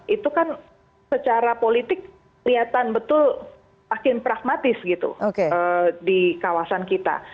itu kan secara politik kelihatan betul makin pragmatis gitu di kawasan kita